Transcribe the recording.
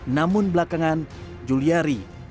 namun belakangan juliari didakwa